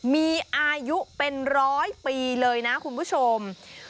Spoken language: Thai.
มีอายุเป็นร้อยปีเลยนะคุณผู้ชม